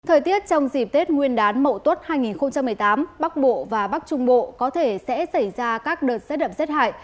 thời tiết trong dịp tết nguyên đán mậu tuất hai nghìn một mươi tám bắc bộ và bắc trung bộ có thể sẽ xảy ra các đợt rét đậm rét hại